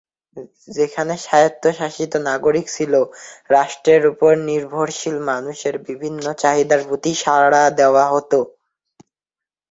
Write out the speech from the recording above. যেখানে স্বায়ত্তশাসিত নাগরিক ছিল, রাষ্ট্রের উপর নির্ভরশীল মানুষের বিভিন্ন চাহিদার প্রতি সাড়া দেওয়া হত।